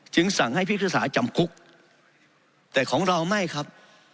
สั่งให้พิพากษาจำคุกแต่ของเราไม่ครับ